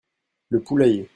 Le poulailler.